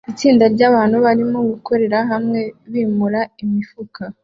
Itsinda ryabantu barimo gukorera hamwe bimura imifuka